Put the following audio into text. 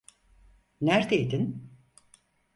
Nerdeydin?